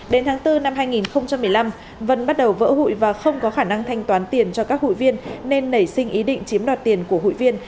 đến tháng bốn năm hai nghìn một mươi năm vân bắt đầu vỡ hụi và không có khả năng thanh toán tiền cho các hụi viên nên nảy sinh ý định chiếm đoạt tiền của hụi viên